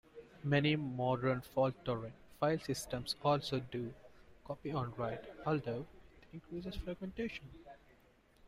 Many modern fault-tolerant file systems also do copy-on-write, although that increases fragmentation.